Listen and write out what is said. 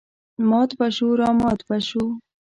مات به شوو رامات به شوو.